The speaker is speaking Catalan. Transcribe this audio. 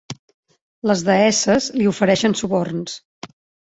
Les deesses li ofereixen suborns.